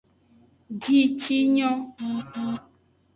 Jicinyo.